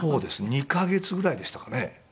２カ月ぐらいでしたかね。